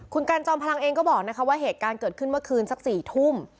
คุณกันจอมพลังเองก็บอกนะคะว่าเหตุการณ์เกิดขึ้นเมื่อคืนสัก๔ทุ่ม